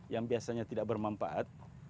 yang biasanya tidak bermanfaat